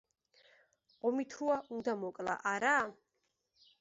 ომი თუა, უნდა მოკლა, არა?